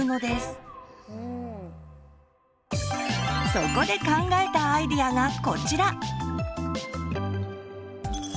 そこで考えたアイデアがこちら！